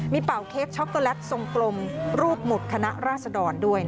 มีเป่าเค้กช็อกโกแลตทรงกลมรูปหมุดคณะราษดรด้วย